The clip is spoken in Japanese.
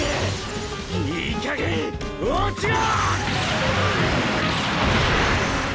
いいかげん落ちろ！